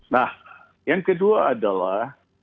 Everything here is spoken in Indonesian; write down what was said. nah yang kedua adalah